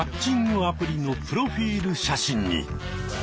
アプリのプロフィール写真に！